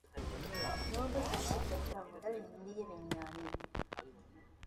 Nobel பரிசு பெற்ற முதல் இந்திய விஞ்ஞானி.